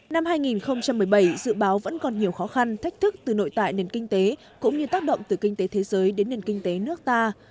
năm hai nghìn một mươi bảy dự báo vẫn còn nhiều khó khăn thách thức từ nội tại nền kinh tế cũng như tác động từ kinh tế thế giới đến nền kinh tế nước ta